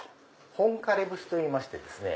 本枯れ節といいましてですね。